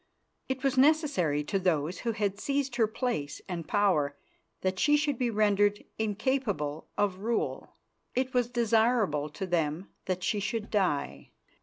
It was necessary to those who had seized her place and power that she should be rendered incapable of rule. It was desirable to them that she should die.